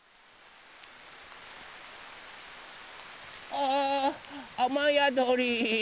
ああまやどり。